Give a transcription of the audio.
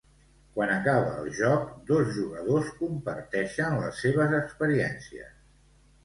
Quan acaba el joc dos jugadors comparteixen les seves experiències.